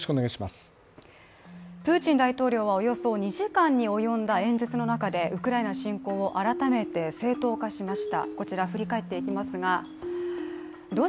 プーチン大統領はおよそ２時間に及んだ演説の中でウクライナ侵攻を改めて正当化しました。